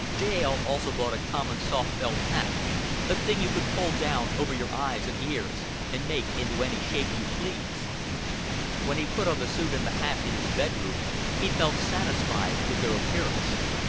Dale also bought a common soft felt hat, a thing you could pull down over your eyes and ears, and make into any shape you pleased. When he put on the suit and the hat in his bedroom, he felt satisfied with their appearance.